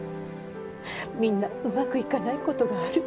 みんなうまくいかないことがある。